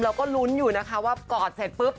เราก็ลุ้นอยู่นะคะว่ากอดเสร็จปุ๊บ